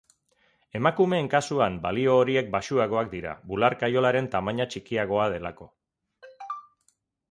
Emakumeen kasuan, balio horiek baxuagoak dira, bular-kaiolaren tamaina txikiagoa delako.